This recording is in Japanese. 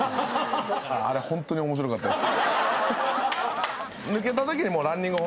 ホント面白かったです。